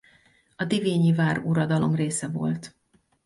A divényi váruradalom része volt.